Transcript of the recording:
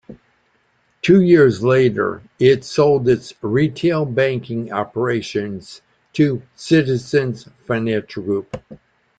Two years later, it sold its retail banking operations to Citizens Financial Group.